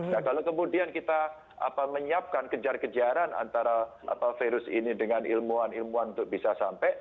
nah kalau kemudian kita menyiapkan kejar kejaran antara virus ini dengan ilmuwan ilmuwan untuk bisa sampai